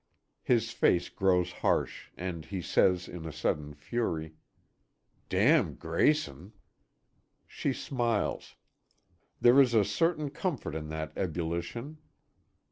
His face grows harsh, and he says in a sudden fury: "Damn Grayson!" She smiles. There is a certain comfort in that ebullition.